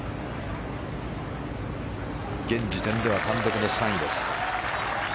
現時点では単独の３位です。